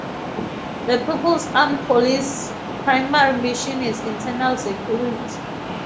The People's Armed Police's primary mission is internal security.